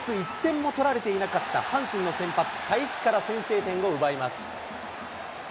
今月１点も取られていなかった阪神の先発、さいきから先制点を奪います。